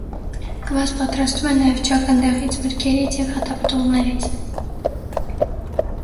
Կվաս պատրաստում են նաև ճակնդեղից, մրգերից և հատապտուղներից։